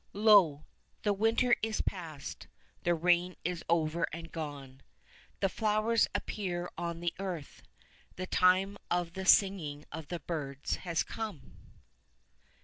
"Lo, the winter is past, the rain is over and gone; the flowers appear on the earth; the time of the singing of the birds has come."